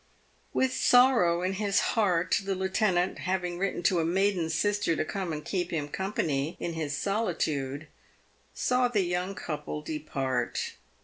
With sorrow in his heart, the lieutenant, having written to a maiden sister to come and keep him company in his solitude, saw the young couple depart.